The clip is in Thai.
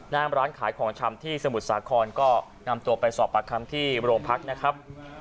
น้ำร้านขายของชำที่สมุทรสาครก็นำตัวไปสอบปากคำที่โรงพักนะครับ